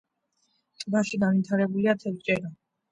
ტბაში განვითარებულია თევზჭერა.